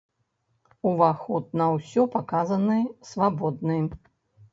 Уваход на ўсе паказы свабодны.